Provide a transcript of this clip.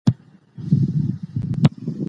دا راپور به په ساده ژبه خپور سي.